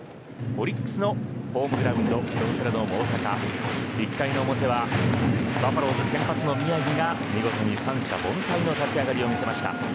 オリックスのホームグラウンド京セラドーム大阪１回の表はバファローズ先発の宮城が見事に３者凡退の立ち上がりを見せました。